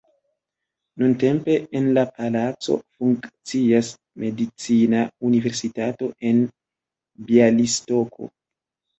Nuntempe en la palaco funkcias Medicina Universitato en Bjalistoko.